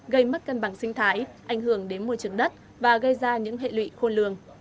gây mất cân bằng sinh thái ảnh hưởng đến môi trường đất và gây ra những hệ lụy khôn lường